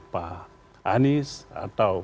pak anies atau